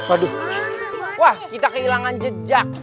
waduh wah kita kehilangan jejak